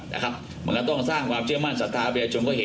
นะครับผมก็ต้องให้การว่าเขาให้การว่าเขาให้การขัดแย้งข้อเรียกจริงนะครับ